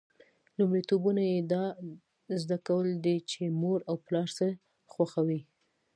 لومړیتوبونه یې دا زده کول دي چې مور او پلار څه خوښوي.